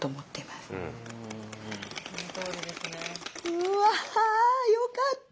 「うわよかった。